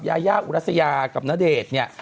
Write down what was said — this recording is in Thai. ยายาอุรัสยากับณเดชน์เนี่ย